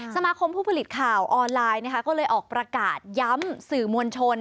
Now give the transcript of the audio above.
ผู้ผลิตข่าวออนไลน์นะคะก็เลยออกประกาศย้ำสื่อมวลชน